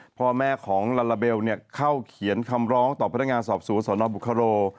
พ่อแม่ของลาลาเบลเข้าเขียนคำร้องต่อพนักงานสอบสวนสนบุคโร